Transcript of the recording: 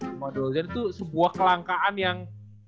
the mother of zan itu sebuah kelangkaan yang